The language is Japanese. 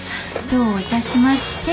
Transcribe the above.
どういたしまして。